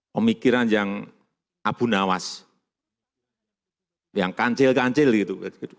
dibutuhkan pemikiran yang abunawas yang kancil kancil gitu